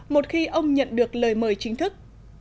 một khi ông nhận được lời mời chính thức